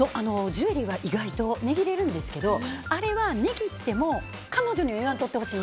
ジュエリーは意外と値切れるんですけどあれは値切っても彼女には言わんとってな。